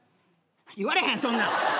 言われへんそんなん。